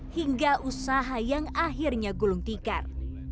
hingga usaha yang akhirnya gulung tikar